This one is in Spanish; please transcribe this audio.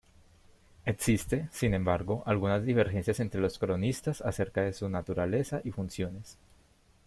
Existe, sin embargo, algunas divergencias entre los cronistas acerca de su naturaleza y funciones.